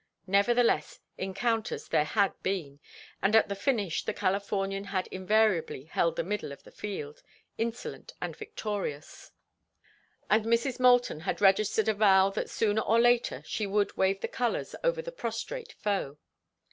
Nevertheless, encounters there had been, and at the finish the Californian had invariably held the middle of the field, insolent and victorious; and Mrs. Moulton had registered a vow that sooner or later she would wave the colors over the prostrate foe.